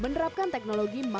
menerapkan teknologi makrofotos